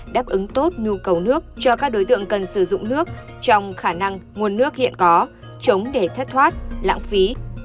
đáp ứng tốt nhu cầu nước cho các đối tượng cần sử dụng nước trong khả năng nguồn nước hiện có chống để thất thoát lãng phí